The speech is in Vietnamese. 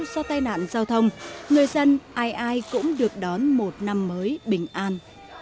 do tai nạn giao thông người dân ai ai cũng được đón một năm mới bình an